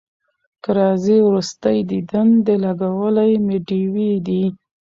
که راځې وروستی دیدن دی لګولي مي ډېوې دي